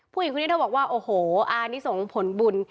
ผู้หญิงคนนี้เธอบอกว่าโอ้โหอันนี้ส่งผลบุญ